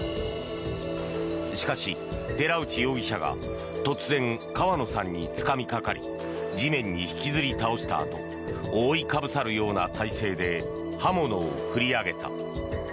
しかし、寺内容疑者が突然、川野さんにつかみかかり地面に引きずり倒したあと覆いかぶさるような体勢で刃物を振り上げた。